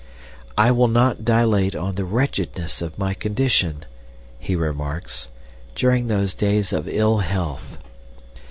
"I will not dilate on the wretchedness of my condition," he remarks, "during those days of ill health."